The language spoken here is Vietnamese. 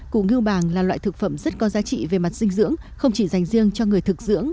củ ngưu bàng là loại thực phẩm rất có giá trị về mặt dinh dưỡng không chỉ dành riêng cho người thực dưỡng